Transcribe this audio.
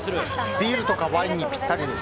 ビールとかワインにぴったりです。